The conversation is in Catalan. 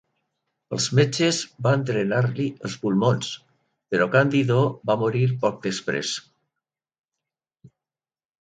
Els metges van drenar-li els pulmons, però Candido va morir poc després.